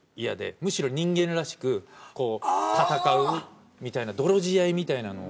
むしろ人間らしくこう戦うみたいな泥仕合みたいなのを。